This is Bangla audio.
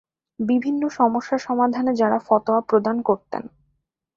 বিভিন্ন সমস্যা সমাধানে যারা ফতোয়া প্রদান করতেন।